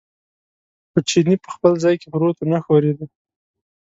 خو چیني په خپل ځای کې پروت و، نه ښورېده.